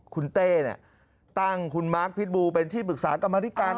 คุณเต้เนี่ยตั้งคุณมาร์คพิษบูเป็นที่ปรึกษากรรมธิการ